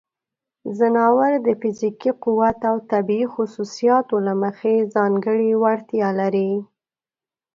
ځناور د فزیکي قوت او طبیعی خصوصیاتو له مخې ځانګړې وړتیاوې لري.